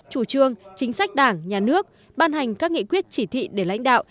chủ trương chính sách đảng nhà nước ban hành các nghị quyết chỉ thị để lãnh đạo